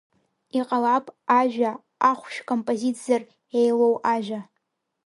Иҟалап ажәа ахәшә композитзар еилоу ажәа…